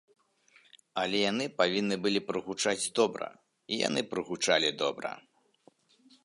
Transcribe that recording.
Але яны павінны былі прагучаць добра, і яны прагучалі добра.